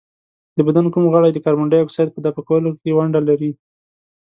د بدن کوم غړی د کاربن ډای اکساید په دفع کولو کې ونډه لري؟